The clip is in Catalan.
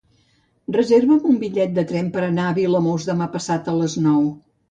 Reserva'm un bitllet de tren per anar a Vilamòs demà passat a les nou.